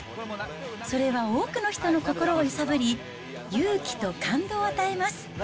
それは多くの人の心を揺さぶり、勇気と感動を与えます。